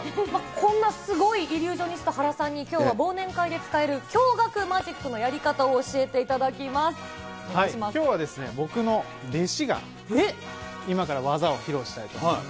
こんなすごいイリュージョニスト、ハラさんにきょうは忘年会で使える驚がくマジックのやり方を教えきょうは僕の弟子が、今から技を披露したいと思います。